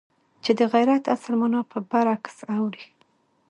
چې د غیرت اصل مانا پر برعکس اوړي.